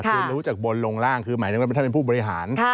คือรู้จากบนลงร่างคือหมายถึงว่าท่านเป็นผู้บริหาร